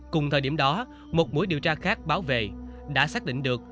cùng thời điểm đó một mối điều tra khác báo về đã xác định được